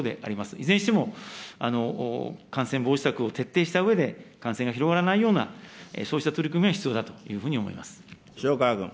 いずれにしても感染防止策を徹底したうえで、感染が広がらないような、そうした取り組みは必要だ塩川君。